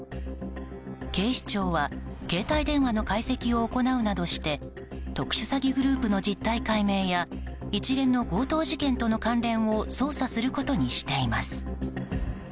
警視庁は携帯電話の解析を行うなどして特殊詐欺グループの実態解明や一連の強盗事件との関連を捜査することにしています。